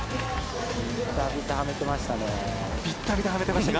びったびたではめてましたね。